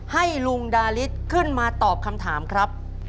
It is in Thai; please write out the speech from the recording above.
ให้ลุงดาริสขึ้นมาตอบคำถามครับ